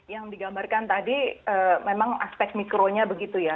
yang digambarkan tadi memang aspek mikronya begitu ya